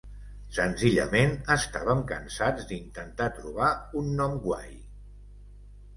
Senzillament estàvem cansats d"intentar trobar un nom guai.